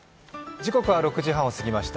時刻は６時半をすぎました。